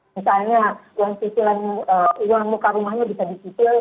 misalnya uang sisilan uang muka rumahnya bisa di sisil